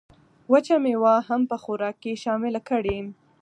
وچه مېوه هم په خوراک کې شامله کړئ.